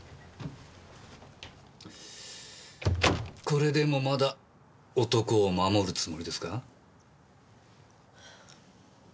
これでもまだ男を守るつもりですか？